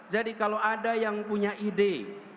jadi kalau ada yang punya ide